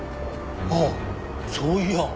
ああそういやあ。